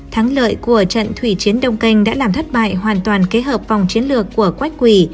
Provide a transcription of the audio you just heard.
thắng lợi của trận thủy chiến đông canh đã làm thất bại hoàn toàn kế hợp vòng chiến lược của quách quỳ